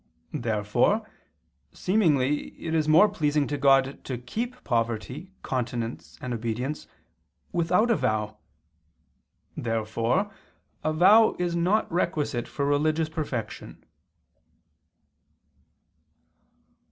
Therefore seemingly it is more pleasing to God to keep poverty, continence, and obedience without a vow. Therefore a vow is not requisite for religious perfection.